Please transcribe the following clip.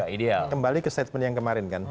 ideal kembali ke segmen yang kemarin kan